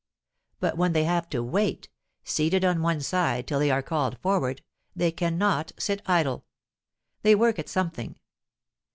But when they have to wait, seated on one side till they are called forward, they cannot sit idle; they work at something.